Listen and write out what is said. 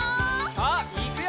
さあいくよ！